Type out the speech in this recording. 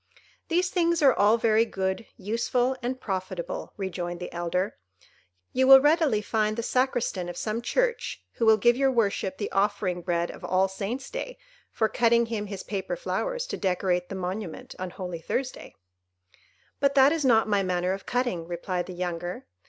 "These things are all very good, useful, and profitable," rejoined the elder. "You will readily find the Sacristan of some church who will give your worship the offering bread of All Saints' Day, for cutting him his paper flowers to decorate the Monument on Holy Thursday." "But that is not my manner of cutting," replied the younger.